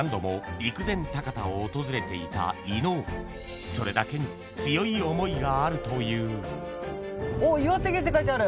陸前高田を訪れていた伊野尾磴修譴世韻強い想いがあるという「岩手県」って書いてある！